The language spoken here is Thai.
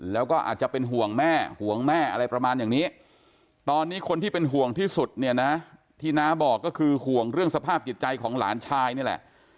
แล้วก็อาจจะเป็นห่วงแม่ห่วงแม่อะไรประมาณอย่างนี้ตอนนี้คนที่เป็นห่วงที่สุดเนี่ยนะที่น้าบอกก็คือห่วงเรื่องสภาพจิตใจของหลานชายนี่แหละ